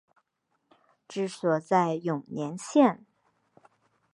治所在永年县。